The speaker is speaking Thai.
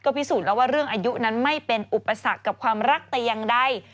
พิสูจน์แล้วว่าเรื่องอายุนั้นไม่เป็นอุปสรรคกับความรักแต่อย่างใด